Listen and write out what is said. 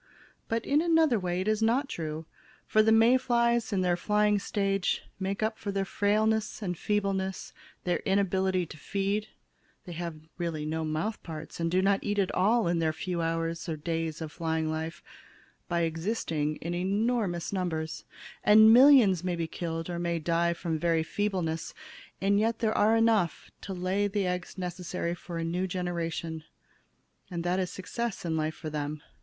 But, in another way, it is not true. For the May flies, in their flying stage, make up for their frailness and feebleness, their inability to feed they have really no mouth parts and do not eat at all in their few hours or days of flying life by existing in enormous numbers, and millions may be killed, or may die from very feebleness, and yet there are enough left to lay the eggs necessary for a new generation, and that is success in life for them.